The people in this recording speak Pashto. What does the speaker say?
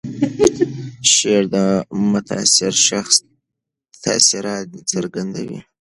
شعر د متاثر شخص تاثیرات څرګندوي.